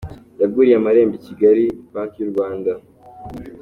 Yaguriye amarembo i Kigali banki yurwanda